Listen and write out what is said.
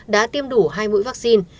đã tiêm đủ hai mũi vaccine